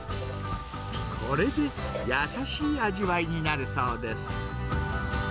これで優しい味わいになるそうです。